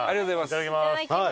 いただきます。